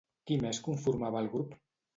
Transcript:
Qui més conformava el grup?